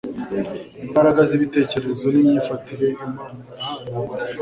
imbaraga zibitekerezo nimyifatire Imana yahaye